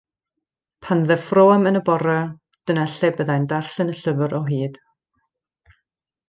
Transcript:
Pan ddeffroem yn y bore, dyna lle byddai yn darllen y llyfr o hyd.